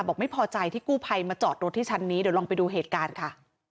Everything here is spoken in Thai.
บอกไม่พอใจที่กู้ภัยมาจอดรถที่ชั้นนี้เดี๋ยวลองไปดูเหตุการณ์ค่ะ